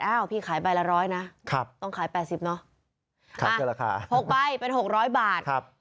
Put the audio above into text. อ้าวพี่ขายใบละ๑๐๐นะต้องขาย๘๐เนอะมา๖ใบเป็น๖๐๐บาท